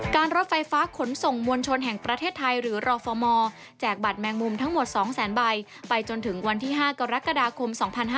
รถไฟฟ้าขนส่งมวลชนแห่งประเทศไทยหรือรฟมแจกบัตรแมงมุมทั้งหมด๒แสนใบไปจนถึงวันที่๕กรกฎาคม๒๕๕๙